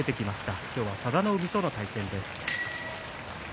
今日は佐田の海との対戦です。